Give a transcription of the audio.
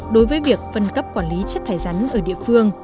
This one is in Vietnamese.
đối với việc phân cấp quản lý chất thải rắn ở địa phương